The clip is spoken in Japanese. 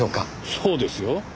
そうですよ。